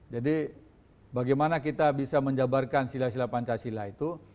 jadi bagaimana kita bisa menjabarkan sila sila pancasila itu